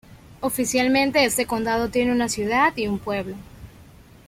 Oficialmente este condado tiene una ciudad y un pueblo.